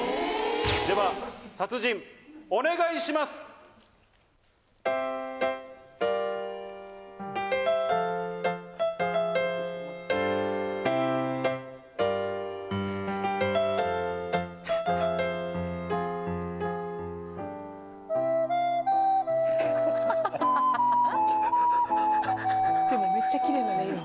では達人お願いします！・ハハハ！